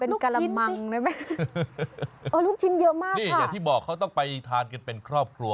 ลูกชิ้นเยอะมากค่ะนี่อย่างที่บอกเขาต้องไปทานกันเป็นครอบครัว